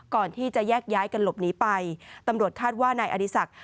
ก่อนที่จะแยกย้ายกันหลบหนีไปตำรวจคาดว่านายอดีศักดิ